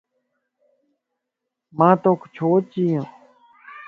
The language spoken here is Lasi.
مان توک ڇو چين يَ